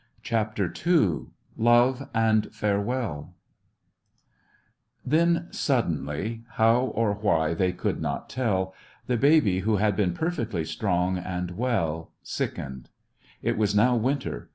S^'^ II LOVE AND FAREWELL THEN suddenly, how or why they could not tell, the baby who had been perfectly strong and well sickened. It was now winter.